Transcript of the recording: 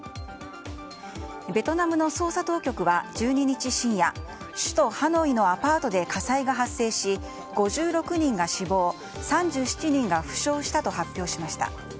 ベトナムの捜査当局は１２日深夜首都ハノイのアパートで火災が発生し５６人が死亡３７人が負傷したと発表しました。